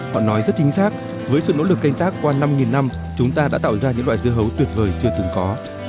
họ nói rất chính xác với sự nỗ lực canh tác qua năm năm chúng ta đã tạo ra những loại dưa hấu tuyệt vời chưa từng có